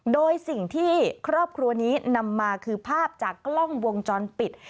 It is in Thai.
โดยสิ่งที่ครอบครัวนี้นำมาคือภาพจากกล้องวงจรปิด